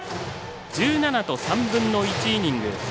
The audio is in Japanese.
１７と３分の１イニング。